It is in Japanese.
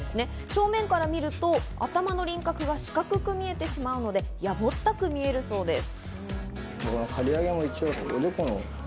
正面から見ると頭の輪郭が四角く見えてしまうので、野暮ったく見えるそうです。